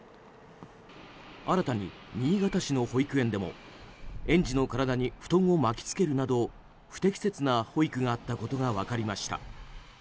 新たに新潟市の保育園でも園児の体に布団を巻きつけるなど不適切な保育があったことが分かりました。